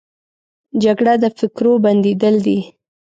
جګړه د فکرو بندېدل دي